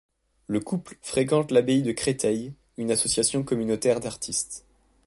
Le couple fréquente l'abbaye de Créteil, une association communautaire d'artistes.